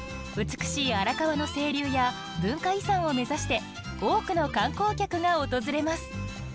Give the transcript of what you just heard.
美しい荒川の清流や文化遺産を目指して多くの観光客が訪れます。